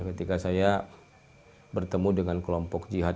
ketika saya bertemu dengan kelompok jihad